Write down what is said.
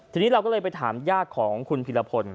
ทีนี้เราก็เลยไปถามญาติของคุณพิรพล